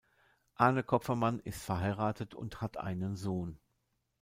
Arne Kopfermann ist verheiratet und hat einen Sohn.